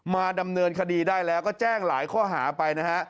มาดำเนินคดีได้แล้วก็แจ้งหลายข้อหาไปนะฮะ